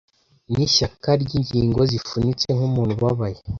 N'ishyaka ry'ingingo zifunitse, nk'umuntu ubabaye